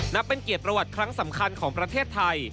นับเป็นเกียรติประวัติครั้งสำคัญของประเทศไทย